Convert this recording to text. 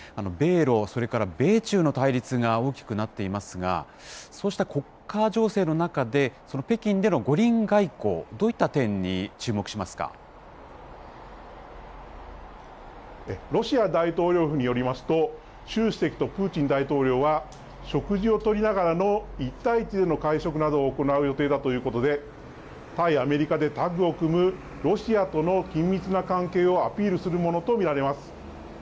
米ロ、それから米中の対立が大きくなっていますが、そうした国家情勢の中で、北京での五輪外交、ロシア大統領府によりますと、習主席とプーチン大統領は、食事をとりながらの１対１での会食などを行う予定だということで、対アメリカでタッグを組むロシアとの緊密な関係をアピールするものと見られます。